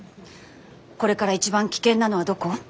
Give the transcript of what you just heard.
これから一番危険なのはどこ？